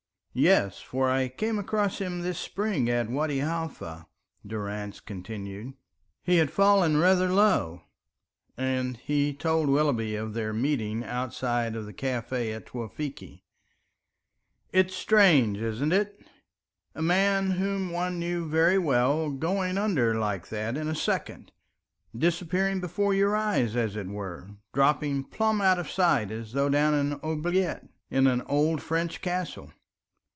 "Yes, for I came across him this Spring at Wadi Halfa," Durrance continued. "He had fallen rather low," and he told Willoughby of their meeting outside of the café of Tewfikieh. "It's strange, isn't it? a man whom one knew very well going under like that in a second, disappearing before your eyes as it were, dropping plumb out of sight as though down an oubliette in an old French castle.